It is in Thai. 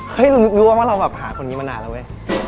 เฮ้ยรู้ว่าเราหาคนนี้มานานแล้วเว้ย